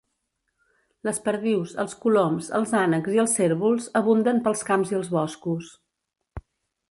Les perdius, els coloms, els ànecs i els cérvols abunden pels camps i els boscos.